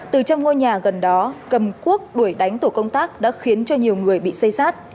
từ trong ngôi nhà gần đó cầm cuốc đuổi đánh tổ công tác đã khiến cho nhiều người bị xây sát